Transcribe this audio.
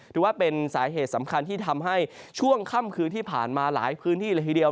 ถือว่าเป็นสาเหตุสำคัญที่ทำให้ช่วงค่ำคืนที่ผ่านมาหลายพื้นที่เลยทีเดียว